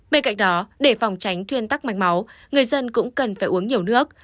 bên cạnh đó để phòng tránh thuyên tắc mạch máu người dân cũng cần phải uống nhiều nước